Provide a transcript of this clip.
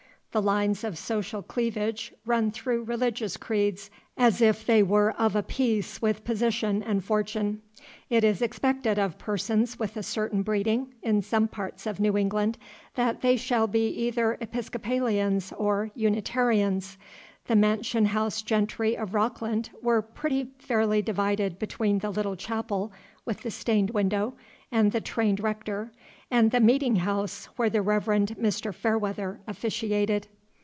The lines of social cleavage run through religious creeds as if they were of a piece with position and fortune. It is expected of persons of a certain breeding, in some parts of New England, that they shall be either Episcopalians or Unitarians. The mansion house gentry of Rockland were pretty fairly divided between the little chapel, with the stained window and the trained rector, and the meeting house where the Reverend Mr. Fairweather officiated.